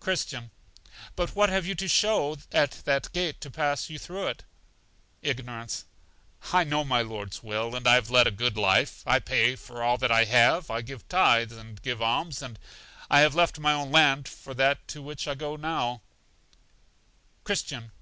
Christian. But what have you to show at that gate to pass you through it? Ignorance. I know my Lord's will, and I have led a good life; I pay for all that I have, I give tithes, and give alms, and have left my own land for that to which I now go. Christian.